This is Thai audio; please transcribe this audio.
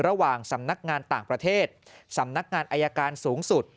ระหว่างสำนักงานต่างประเทศสำนักงานอายการสูงสุด